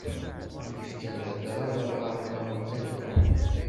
Mi yekfa lhedṛa d Abṛaham, Ameɣlal iṛuḥ.